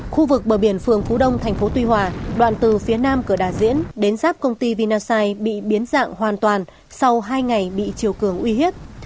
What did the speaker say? khu vực bờ biển phường phú đông thành phố tuy hòa đoạn từ phía nam cửa đà diễn đến giáp công ty vinasite bị biến dạng hoàn toàn sau hai ngày bị chiều cường uy hiếp